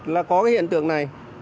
là có cái hiện tượng này